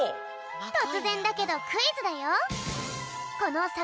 とつぜんだけどクイズだよ。